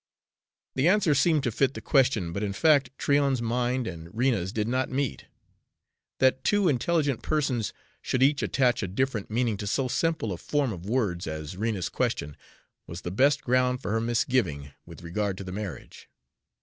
The answer seemed to fit the question, but in fact, Tryon's mind and Rena's did not meet. That two intelligent persons should each attach a different meaning to so simple a form of words as Rena's question was the best ground for her misgiving with regard to the marriage.